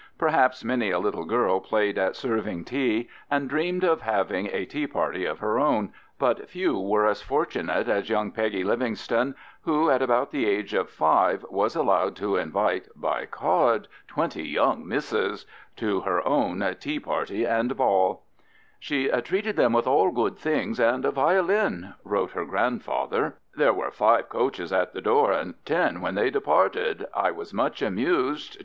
Perhaps many a little girl played at serving tea and dreamed of having a tea party of her own, but few were as fortunate as young Peggy Livingston who, at about the age of five, was allowed to invite "by card ... 20 young misses" to her own "Tea Party & Ball." She "treated them with all good things, & a violin," wrote her grandfather. There were "5 coaches at y^e door at 10 when they departed. I was much amused 2 hours."